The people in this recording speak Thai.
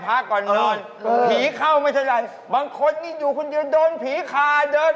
ผีเข้าหนูไหมยังไม่สิงสิหนูวิ่งหนีมาก่อน